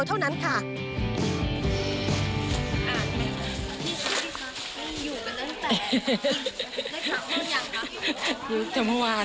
โอ้โฮแล้วจะได้นอนเมื่อไหร่